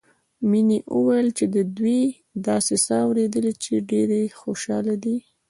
مينې وويل چې دوي داسې څه اورېدلي چې ډېرې خوشحاله دي